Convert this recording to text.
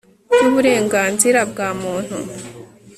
ry'uburenganzira bwa muntu